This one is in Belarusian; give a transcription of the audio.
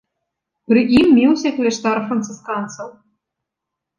Пры ім меўся кляштар францысканцаў.